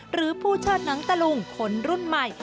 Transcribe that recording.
หรือผู้เชิดหนังตะลุงคนรุ่นใหม่